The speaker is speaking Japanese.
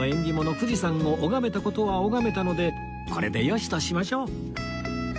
富士山を拝めた事は拝めたのでこれでよしとしましょう